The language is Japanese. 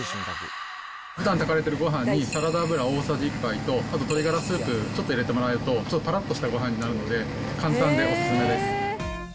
ふだん炊かれてるごはんに、サラダ油大さじ１杯とあと鶏がらスープちょっと入れてもらうと、ぱらっとしたごはんになるので、簡単でお勧めです。